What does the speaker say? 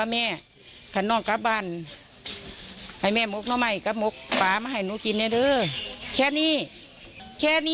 แม่ก็ไม่อยากแม่งินก็คิดว่าลูกสาวเป็นคนดีต่าง